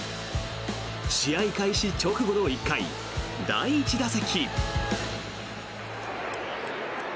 試合開始直後の１回第１打席。